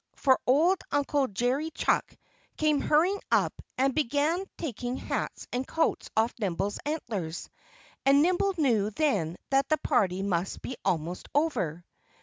For old Uncle Jerry Chuck came hurrying up and began taking hats and coats off Nimble's antlers. And Nimble knew then that the party must be almost over.